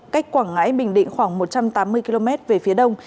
cách quảng ngãi bình định khoảng một trăm tám mươi km về phía đông